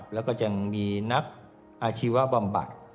แล้วก็ยังมีนักอาชีวะบำบัด